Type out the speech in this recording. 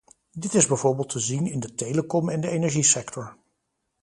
Dit is bijvoorbeeld te zien in de telecom- en energiesector.